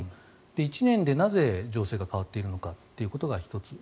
１年でなぜ情勢が変わっているのかということが１つ。